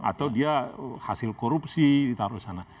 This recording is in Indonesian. atau dia hasil korupsi ditaruh di sana